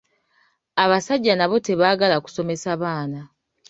Abasajja n’abo tebaagala kusomesa baana.